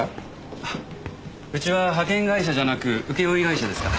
あうちは派遣会社じゃなく請負会社ですから。